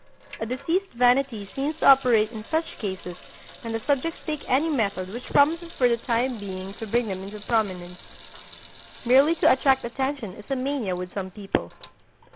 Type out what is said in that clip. A diseased vanity seems to operate in such cases and the subjects take any method which promises for the time being to bring them into prominence. Merely to attract attention is a mania with some people.